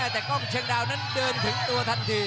แต่กล้องเชียงดาวนั้นเดินถึงตัวทันที